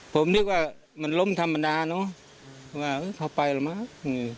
ผมนึกว่ามันล้มธรรมดาเนาะว่าเข้าไปละมาก